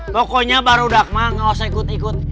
pokoknya baru dakma gak usah ikut ikut